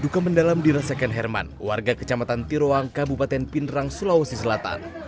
duka mendalam dirasakan herman warga kecamatan tiroangka bupaten pinderang sulawesi selatan